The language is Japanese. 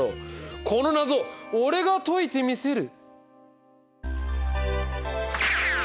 この謎俺が解いてみせる。